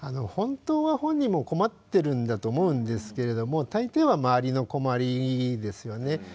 本当は本人も困ってるんだと思うんですけれども大抵は周りの困りですよね。